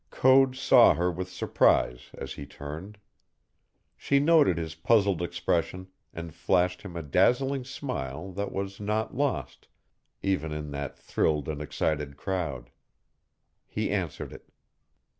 Code saw her with surprise as he turned. She noted his puzzled expression and flashed him a dazzling smile that was not lost, even in that thrilled and excited crowd. He answered it.